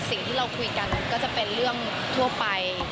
สิ่งที่เราคุยกันก็จะเป็นเรื่องทั่วไป